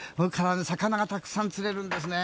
魚がたくさん釣れるんですね。